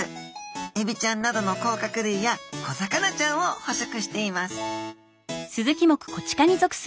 エビちゃんなどの甲殻類や小魚ちゃんを捕食しています